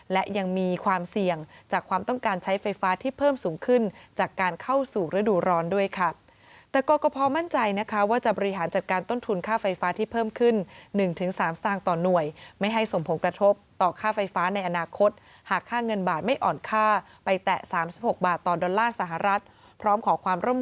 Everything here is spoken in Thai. และยังมีความเสี่ยงจากความต้องการใช้ไฟฟ้าที่เพิ่มสูงขึ้นจากการเข้าสู่ฤดูร้อนด้วยค่ะแต่กรกภมั่นใจนะคะว่าจะบริหารจัดการต้นทุนค่าไฟฟ้าที่เพิ่มขึ้น๑๓สตางค์ต่อหน่วยไม่ให้ส่งผลกระทบต่อค่าไฟฟ้าในอนาคตหากค่าเงินบาทไม่อ่อนค่าไปแตะ๓๖บาทต่อดอลลาร์สหรัฐพร้อมขอความร่ม